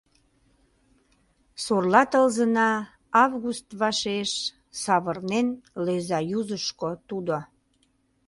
Сорла тылзына август вашеш Савырнен лӧза юзышко тудо.